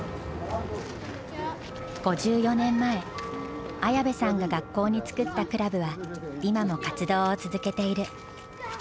５４年前綾部さんが学校に作ったクラブは今も活動を続けている。